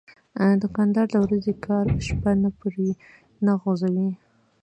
دوکاندار د ورځې کار شپه نه پورې نه غځوي.